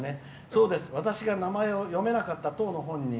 そうです、私が名前を読めなかった当の本人。